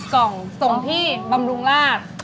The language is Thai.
กล่องส่งที่บำรุงราช